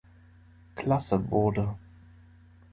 Klasse wurde.